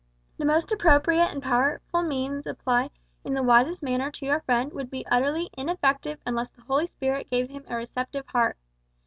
The most appropriate and powerful means applied in the wisest manner to your friend would be utterly ineffective unless the Holy Spirit gave him a receptive heart.